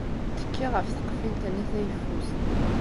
Tekki ɣef tqeffilt-nni tayeffust!